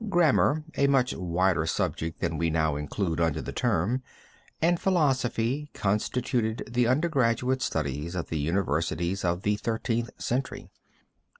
Grammar, a much wider subject than we now include under the term, and philosophy constituted the undergraduate studies of the universities of the Thirteenth Century.